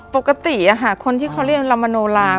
ปกติคนที่เขาเรียกลามโนลา